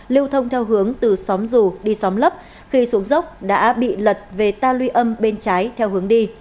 lưu thông theo hướng từ xóm rù đi xóm lấp khi xuống dốc đã bị lật về ta luy âm bên trái theo hướng đi